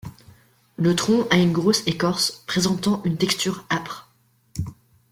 Le tronc a une grosse écorce présentant une texture âpre.